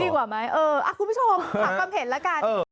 ดีกว่าไหมคุณผู้ชมถามความเห็นละกัน